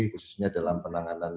khususnya dalam penanganan